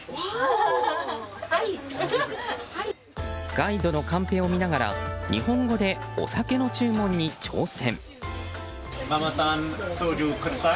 ガイドのカンペを見ながら日本語でお酒の注文に挑戦。